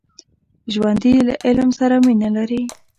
ژوندي له علم سره مینه لري